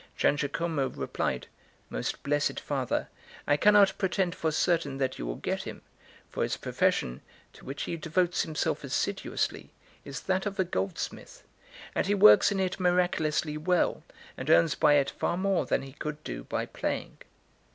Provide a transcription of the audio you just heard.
Giangiacomo replied: "Most blessed Father, I cannot pretend for certain that you will get him, for his profession, to which he devotes himself assiduously, is that of a goldsmith, and he works in it miraculously well, and earns by it far more than he could do by playing."